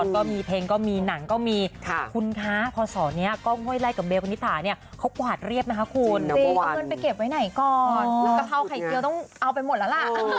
ก็กะเพราไข่เจียวต้องเอาไปหมดละล่ะ